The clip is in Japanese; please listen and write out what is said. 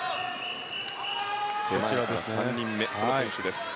手前から３人目の選手です。